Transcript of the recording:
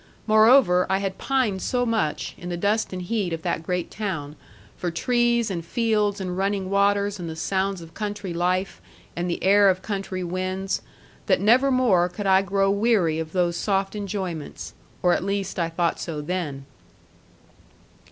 Moreover, I had pined so much, in the dust and heat of that great town, for trees, and fields, and running waters, and the sounds of country life, and the air of country winds, that never more could I grow weary of those soft enjoyments; or at least I thought so then.